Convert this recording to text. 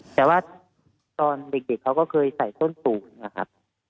แต่ว่าตอนเด็กเขาก็เคยใส่ต้นฝูงนะครับ